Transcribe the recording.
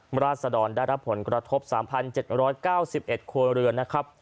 ราชดรได้รับผลกระทบ๓๗๙๑ครัวเรือนนะครับ